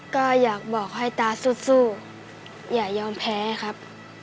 ก็อยากบอกให้ตาสู้อย่ายอมแพ้ครับ